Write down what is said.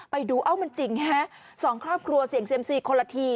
ไปดูเอ้ามันจริงฮะสองครอบครัวเสี่ยงเซียมซีคนละที